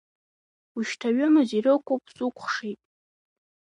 Ушьҭа ҩымыз ирықәуп сукәхшеит!